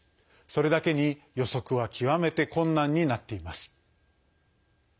それだけに予測は極めて困難になっています。